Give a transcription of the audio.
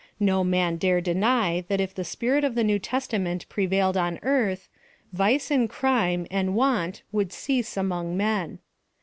No man dare deny that if the spirit of the New Testament prevailed on earth, vice, and crime, and want would cease among men.